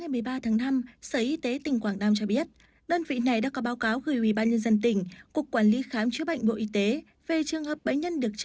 hãy đăng ký kênh để ủng hộ kênh của chúng mình nhé